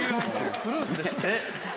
フルーツですって。